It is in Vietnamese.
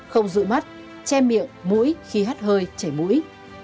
không rụi mắt che miệng mũi khi hát hơi chảy mũi